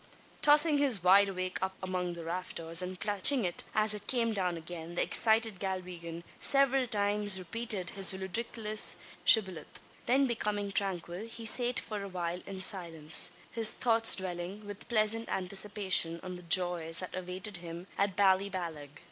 Tossing his wide awake up among the rafters, and catching it as it came down again, the excited Galwegian several times repeated his ludicrous shibboleth. Then becoming tranquil he sate for awhile in silence his thoughts dwelling with pleasant anticipation on the joys that awaited him at Ballyballagh.